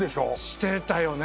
してたよね。